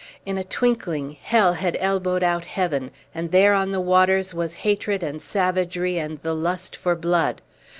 In a twinkling hell had elbowed out heaven, and there on the waters was hatred and savagery and the lust for blood.